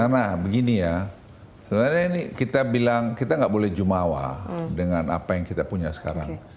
nah begini ya sebenarnya ini kita bilang kita nggak boleh jumawa dengan apa yang kita punya sekarang